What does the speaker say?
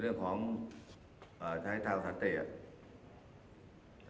เรื่องของของใช้ทางสัญนะ